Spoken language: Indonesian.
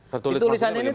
tertulis maksudnya bagaimana